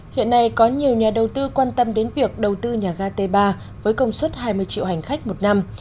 hiện nay có nhiều nhà đầu tư quan tâm đến việc đầu tư nhà ga t ba với công suất hai mươi triệu hành khách một năm